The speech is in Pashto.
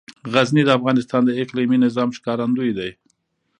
غزني د افغانستان د اقلیمي نظام ښکارندوی ده.